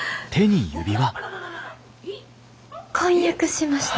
婚約しました。